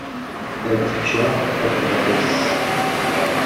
Ad ččeɣ abbaɣ-is.